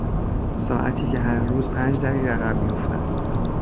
ساعتی که هر روز پنج دقیقه عقب میافتد.